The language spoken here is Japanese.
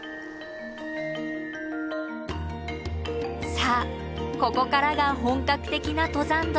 さあここからが本格的な登山道。